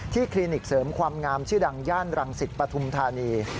คลินิกเสริมความงามชื่อดังย่านรังสิตปฐุมธานี